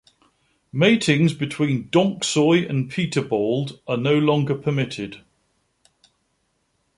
Matings between Donskoy and Peterbald are no longer permitted.